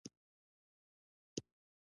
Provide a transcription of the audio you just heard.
بې ګناه وينه ده.